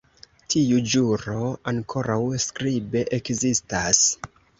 Tiu ĵuro ankoraŭ skribe ekzistas.